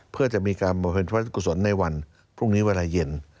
เพื่อจะมีการบริเวณพระราชกุศลในวันพรุ่งนี้เวลาเย็น